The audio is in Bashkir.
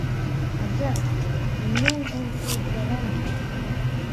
Азат, һинең ул һүҙҙәрең...